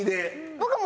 僕も。